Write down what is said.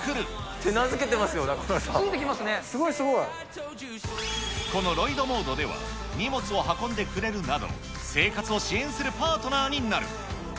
手なずけてますよ、ついてきますね、すごいすごこのロイドモードでは、荷物を運んでくれるなど、生活を支援するパートナーになる。